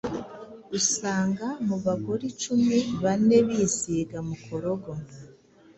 usanga mu bagore icuni bane bisiga mukorogo.”